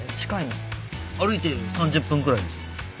歩いて３０分くらいです。